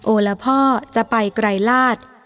โอละพ่อจะไปไกรลาด